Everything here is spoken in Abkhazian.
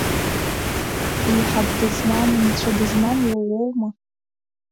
Еиҳаб дызмам, нцәа дызмам уа уоума?